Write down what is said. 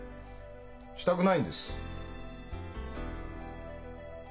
したくないんです。